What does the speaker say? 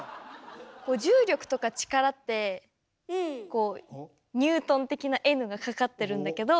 重力とか力ってこうニュートン的な「Ｎ」がかかってるんだけど。